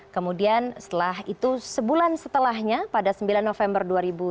kemudian setelah itu sebulan setelahnya pada sembilan november dua ribu dua puluh